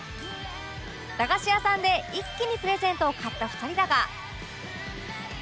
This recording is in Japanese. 駄菓子屋さんで一気にプレゼントを買った２人だが